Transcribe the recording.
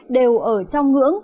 đều ở trong ngưỡng